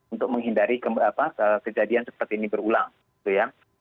ini menghindari kejadian seperti ini berulang